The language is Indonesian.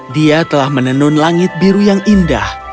dia telah menenun langit biru yang indah